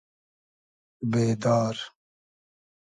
بېدار